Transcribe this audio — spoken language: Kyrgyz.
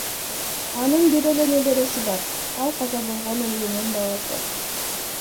Анын бир эле небереси бар, ал каза болгон уулунун баласы.